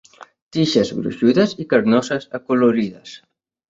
Tiges gruixudes i carnoses, acolorides.